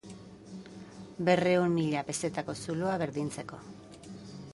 Berrehun mila pezetako zuloa berdintzeko.